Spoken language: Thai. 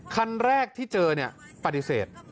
คันแรกที่เจอเนี่ยปฏิเสธ